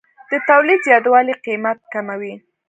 د تولید زیاتوالی قیمت کموي.